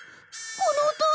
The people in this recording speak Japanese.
この音は！